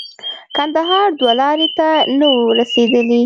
کندهار دوه لارې ته نه وو رسېدلي.